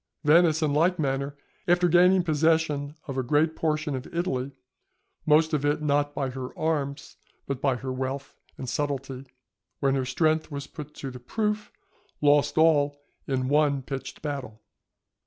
Venice in like manner, after gaining possession of a great portion of Italy (most of it not by her arms but by her wealth and subtlety), when her strength was put to the proof, lost all in one pitched battle.